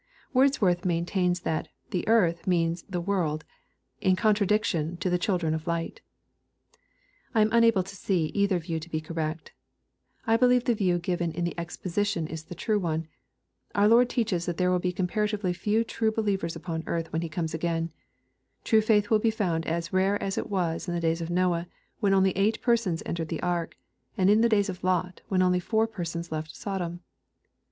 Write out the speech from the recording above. Wordsworth maintains that " the earth" means the " world," in contradiction to the children of light. I am unable to see either view to be correct I believe the view given in the Exposition is the frue one. Our Lord teaches that there will be comparativelyjQasE ti:ue_believers upon earth when He comes again. True faith wilibe_found as rare as it was in the days of Noah, when only eight persons entered the ark, and in the days of Lot, when only Jour persons left Sodom.